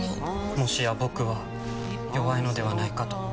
もしや僕は弱いのではないかと。